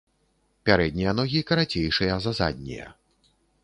Пярэднія ногі карацейшыя за заднія.